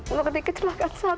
menurunkan kecelakaan saya